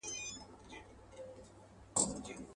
د کور مغول مو له نکلونو سره لوبي کوي.